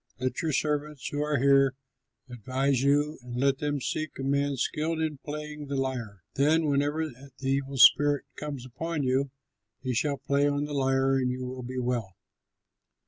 Let your servants who are here advise you, and let them seek a man skilled in playing the lyre. Then, whenever the evil spirit comes upon you, he shall play on the lyre, and you will be well."